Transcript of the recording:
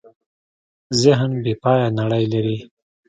ذهن بېپایه نړۍ لري.